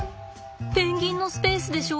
ペンギンのスペースでしょ？